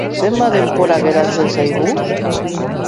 Zenbat denbora geratzen zaigu?